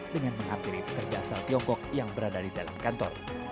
dengan menghampiri pekerja asal tiongkok yang berada di dalam kantor